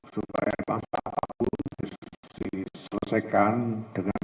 supaya masa akun diselesaikan dengan